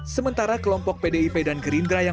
sementara kelompok pdip dan gerindra yang